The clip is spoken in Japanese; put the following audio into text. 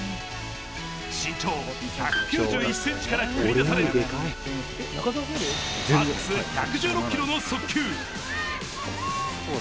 身長１９１ｃｍから繰り出されるマックス１１６キロの速球。